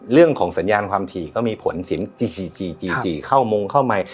เรื่องของสัญญาณความทีก็มีผลสิ่งจีจีจีจีจีเข้ามุงเข้ามา